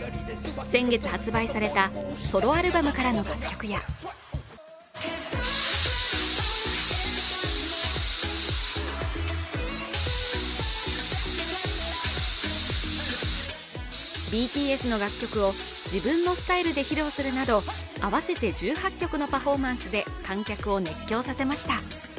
先月発売されたソロアルバムからの楽曲やＢＴＳの楽曲を自分のスタイルで披露するなど合わせて１８曲のパフォーマンスで観客を熱狂させました。